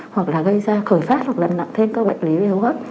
hoặc là gây ra khởi phát hoặc là nặng thêm các bệnh lý hô hấp